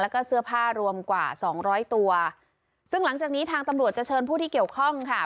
แล้วก็เสื้อผ้ารวมกว่าสองร้อยตัวซึ่งหลังจากนี้ทางตำรวจจะเชิญผู้ที่เกี่ยวข้องค่ะ